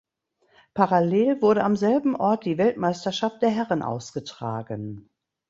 Parallel wurde am selben Ort die Weltmeisterschaft der Herren ausgetragen.